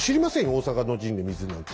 大坂の陣で水なんて。